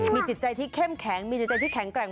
มีจิตใจที่เข้มแข็งมีจิตใจที่แข็งแกร่ง